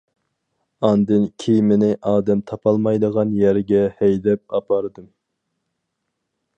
ئاندىن كېمىنى ئادەم تاپالمايدىغان يەرگە ھەيدەپ ئاپاردىم.